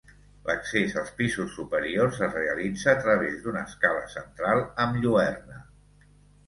L'accés als pisos superiors es realitza a través d'una escala central amb lluerna.